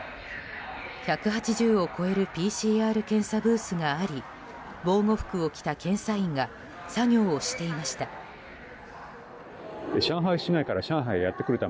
１８０を超えるＰＣＲ検査ブースがあり防護服を着た検査員が作業をしていました。